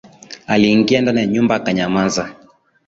Aliingia ndani ya nyumba akanyamaza